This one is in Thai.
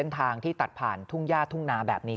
ทางที่ตัดผ่านทุ่งย่าทุ่งนาแบบนี้